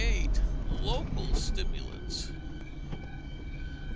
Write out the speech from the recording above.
Local Stimulants.